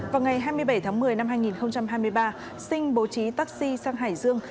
vào ngày hai mươi bảy tháng một mươi năm hai nghìn hai mươi ba sinh bố trí taxi sang hải dương